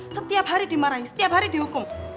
setiap hari dimarahi setiap hari dihukum